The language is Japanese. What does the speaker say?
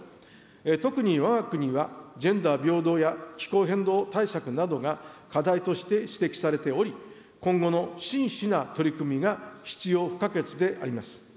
特にわが国はジェンダー平等や気候変動対策などが課題として指摘されており、今後の真摯な取り組みが必要不可欠であります。